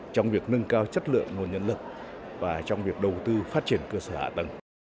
trong việc nâng cao chất lượng nguồn nhân lực và trong việc đầu tư phát triển cơ sở hạ tầng